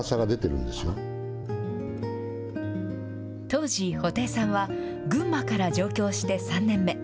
当時、布袋さんは群馬から上京して３年目。